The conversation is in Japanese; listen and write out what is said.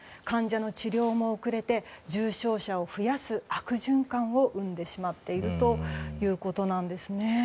患者の治療も遅れて重症者を増やす悪循環を生んでしまっているということなんですね。